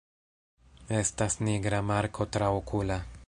Estas nigra marko traokula.